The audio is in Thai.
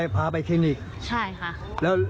พาไปคลินิกใช่ค่ะ